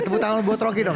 tepuk tangan bu rocky dong